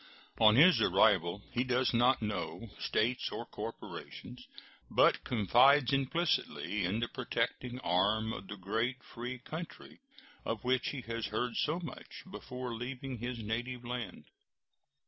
On his arrival he does not know States or corporations, but confides implicitly in the protecting arm of the great, free country of which he has heard so much before leaving his native land.